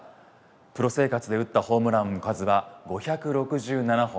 プロ生活で打ったホームランの数は５６７本。